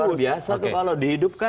luar biasa tuh kalau dihidupkan